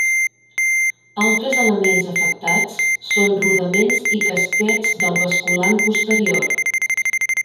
Altres elements afectats són rodaments i casquets del basculant posterior.